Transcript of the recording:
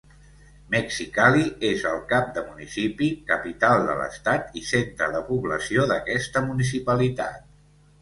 Mexicali és el cap de municipi, capital de l'estat i centre de població d'aquesta municipalitat.